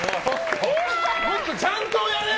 もっとちゃんとやれよ！